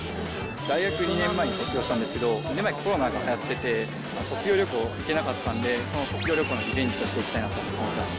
大学２年前に卒業したんですけど、２年前、コロナがはやってて、卒業旅行行けなかったんで、その卒業旅行のリベンジとして行きたいなと思ってます。